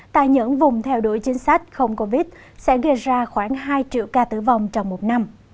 tại những vùng theo đuổi chính sách không covid sẽ gây ra khoảng hai triệu ca tử vong trong một năm